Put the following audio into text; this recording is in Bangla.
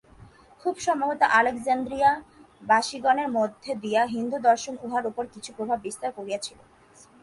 খুব সম্ভবত আলেকজান্দ্রিয়া-বাসিগণের মধ্য দিয়া হিন্দুদর্শন উহার উপর কিছু প্রভাব বিস্তার করিয়াছিল।